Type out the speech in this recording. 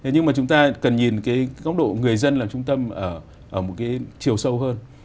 nhưng mà chúng ta cần nhìn cái góc độ người dân làm trung tâm ở một cái chiều sâu hơn